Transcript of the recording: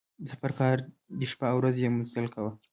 د سفر کار دی شپه او ورځ یې مزل کاوه.